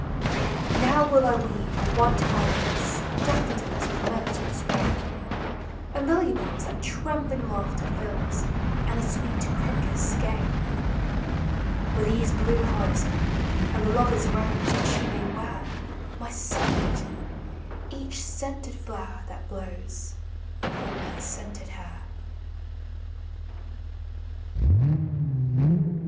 Now will T weave while violets, daffodils With myrtle spray, And lily bells that trembling laughter Alls, And the sweet crocus gay : With these blue hyacinth, and the lover's rose That she may wear My sun maiden each sceuted (lower that blows, Upon her scented hair.